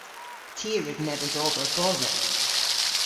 Ty a wrug nebes ober bodhek.